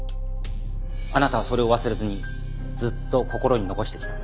あなたはそれを忘れずにずっと心に残してきたんです。